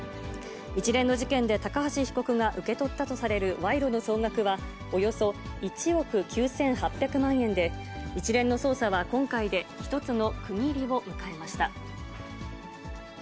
一連の事件で高橋被告が受け取ったとされる賄賂の総額はおよそ１億９８００万円で、一連の捜査は今回で一つの区切りを迎えました。